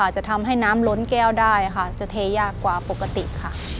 จะทำให้น้ำล้นแก้วได้ค่ะจะเทยากกว่าปกติค่ะ